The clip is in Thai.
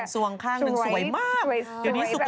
ซวงข้างนึงสวยมาก